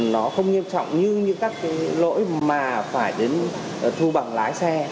nó không nghiêm trọng như những các cái lỗi mà phải đến thu bằng lái xe